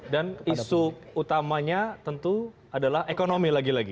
dan isu utamanya tentu adalah ekonomi lagi lagi